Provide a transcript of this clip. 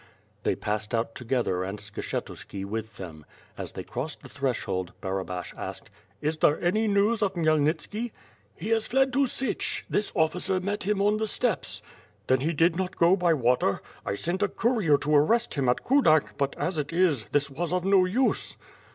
They passed out together and Skshetuski with them. Ai they crossed the threshold, Barabash asked: "Is there any news of Khmyelnitski?" "He has fled to Sich. This oflScer met him on the steppes." "Then he did not go by water? I sent a courier to arrest him at Kudak, but as it is, this was of no use."